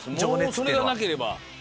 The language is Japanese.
それがなければ。